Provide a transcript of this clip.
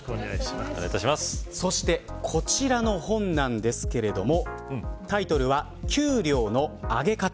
そして、こちらの本ですがタイトルは、給料の上げ方。